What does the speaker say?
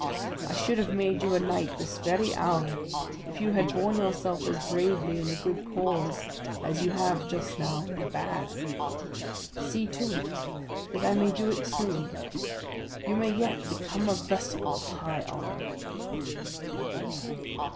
I should have made you a knight this very hour, if you had borne yourself as bravely in a good cause as you have just now in a bad. See to it, that I may do it soon. You may yet become a vessel of high honour."